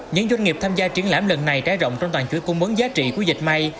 những doanh nghiệp tham gia triển lãm lần này trái rộng trong toàn chuỗi cung bấn giá trị của dịch may